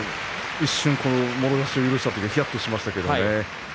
一瞬、もろ差しを許したときには、ひやっとしました。